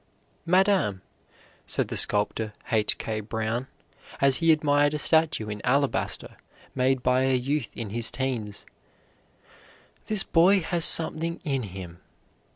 "Madam," said the sculptor H. K. Brown, as he admired a statue in alabaster made by a youth in his teens, "this boy has something in him."